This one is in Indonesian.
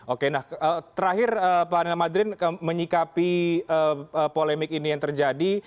oke nah terakhir pak anil madrin menyikapi polemik ini yang terjadi